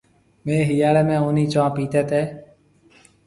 ميه هِاڙي ۾ اونَي چونه پيتي تي۔